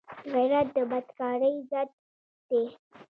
غیرت د بدکارۍ ضد دی